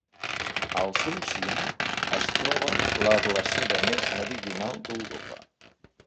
Al seu cim es troba la glacera més meridional d'Europa.